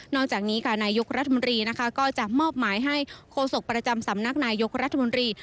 จากนี้ค่ะนายกรัฐมนตรีนะคะก็จะมอบหมายให้โฆษกประจำสำนักนายยกรัฐมนตรี